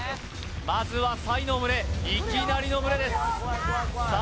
まずはサイの群れいきなりの群れですさあ